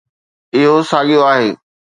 اهو ساڳيو آهي.